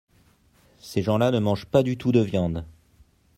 Ces gens-là ne mangent pas du tout de viande.